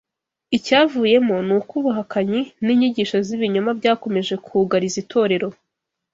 Icyavuyemo ni uko ubuhakanyi n’inyigisho z’ibinyoma byakomeje kugariza itorero